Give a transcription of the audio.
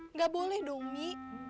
nggak boleh dong umi